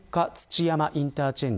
菰野インターチェンジ